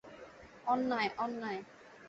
অন্যায়, অন্যায়!